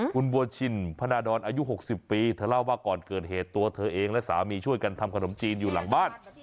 คุณบัวชินพนาดรอายุ๖๐ปีเธอเล่าว่าก่อนเกิดเหตุตัวเธอเองและสามีช่วยกันทำขนมจีนอยู่หลังบ้าน